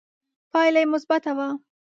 پایله یې مثبته وه